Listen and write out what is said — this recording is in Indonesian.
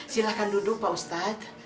silahkan duduk pak ustadz